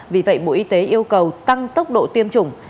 vì vậy bộ y tế yêu cầu tăng tốc độ tiêm chủng